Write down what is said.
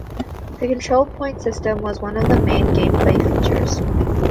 The Control Point System was one of the main gameplay features.